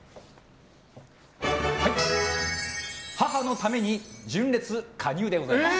母のために純烈加入でございます。